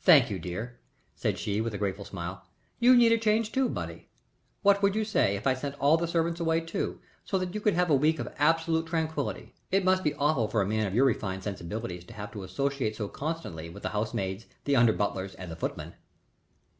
"Thank you, dear," said she, with a grateful smile. "You need a change too, Bunny. What would you say if I sent all the servants away too, so that you could have a week of absolute tranquillity? It must be awful for a man of your refined sensibilities to have to associate so constantly with the housemaids, the under butlers and the footmen."